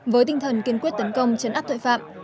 với tinh thần kiên quyết tấn công chấn áp tội phạm